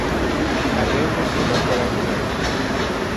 Ab’e Buddu bakola nnyo.